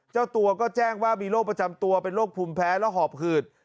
เจ้าตัวก็แจ้งว่ามีโรคประจำตัวเป็นโรคภูมิแพ้และหอบหืด